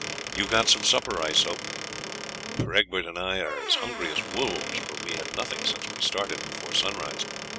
You have got some supper, I hope, for Egbert and I are as hungry as wolves, for we have had nothing since we started before sunrise."